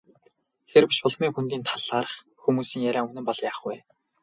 Хэрэв Шулмын хөндийн талаарх хүмүүсийн яриа үнэн бол яах вэ?